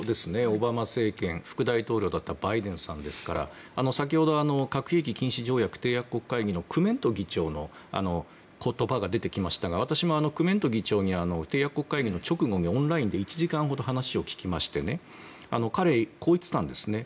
オバマ政権の副大統領だったバイデンさんですから先ほど核兵器禁止条約締約国会議のクメント議長の言葉が出てきましたが私も、クメント議長には締約国会議の直後にオンラインで１時間ほど話を聞きまして彼、こう言ってたんですね。